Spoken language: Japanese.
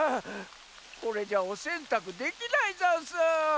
これじゃおせんたくできないざんす！